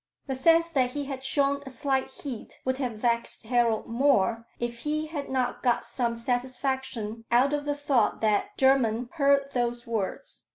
The sense that he had shown a slight heat would have vexed Harold more if he had not got some satisfaction out of the thought that Jermyn heard those words.